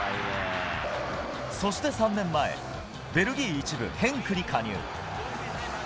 そして３年前、ベルギー１部・ヘンクに加入。